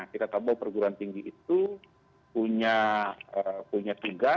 kita tahu bahwa perguruan tinggi itu punya tiga